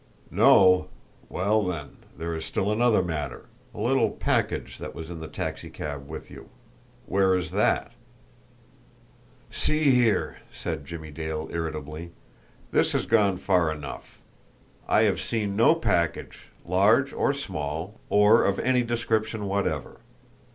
"No! Well, then, there is still another matter a little package that was in the taxicab with you. Where is that?" "See here!" said Jimmie Dale irritably. "This has gone far enough! I have seen no package, large or small, or of any description whatever.